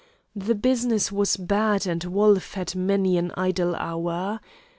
The business was bad, and Wolf had many an idle hour.